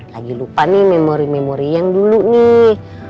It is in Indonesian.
lagi lupa nih memori memori yang dulu nih